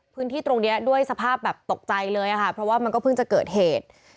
พื้นที่ตรงนี้ด้วยสภาพแบบตกใจเลยค่ะเพราะว่ามันก็เพิ่งจะเกิดเหตุ